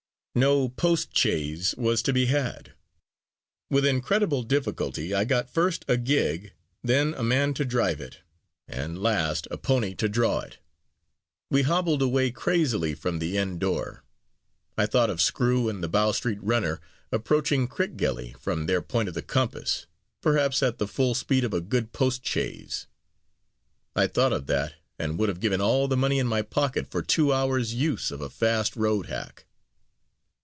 No post chaise was to be had. With incredible difficulty I got first a gig, then a man to drive it; and, last, a pony to draw it. We hobbled away crazily from the inn door. I thought of Screw and the Bow Street runner approaching Crickgelly, from their point of the compass, perhaps at the full speed of a good post chaise I thought of that, and would have given all the money in my pocket for two hours' use of a fast road hack.